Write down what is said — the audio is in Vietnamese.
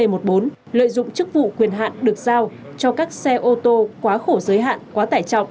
hạn được giao cho các xe ô tô quá khổ giới hạn quá tải trọng